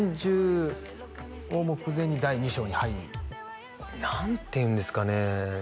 ４０を目前に第２章に入る何ていうんですかね